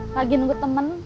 lagi nunggu temen